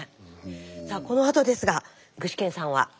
さあこのあとですが具志堅さんは？